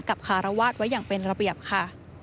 คารวาสไว้อย่างเป็นระเบียบค่ะ